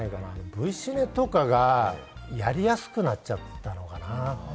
Ｖシネとかがやりやすくなっちゃってたのかな。